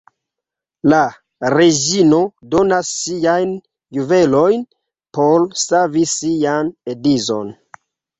La reĝino donas ŝiajn juvelojn por savi sian edzon.